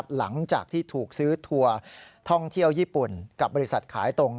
หลังจากที่ถูกซื้อทัวร์ท่องเที่ยวญี่ปุ่นกับบริษัทขายตรง